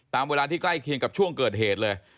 ตามเวลาที่ใกล้เคียงกับช่วงเกิดเหตุเลย